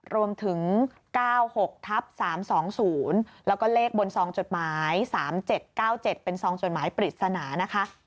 รวมถึง๙๖ทับ๓๒๐แล้วก็เลขบนซองจดหมาย๓๗๙๗เป็นซองจดหมายปริศนานะคะ